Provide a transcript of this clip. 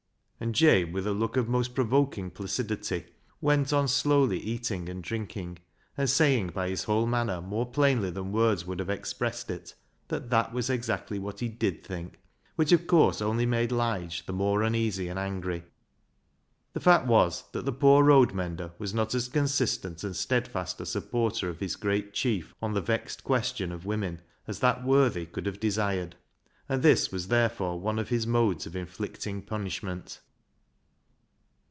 And Jabe, with a look of most provoking placidity, went on slowly eating and drinking, and saying by his whole manner more plainly than words would have expressed it that that was exactly what he ^zV/ think — which, of course, only made Lige the more uneasy and angry. The fact was that the poor road mender was not as consistent and steadfast a supporter of his great chief on the vexed question of women as that worthy could have desired, and this was therefore one of his modes of inflicting punish ment.